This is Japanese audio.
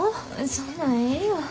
そんなんええよ。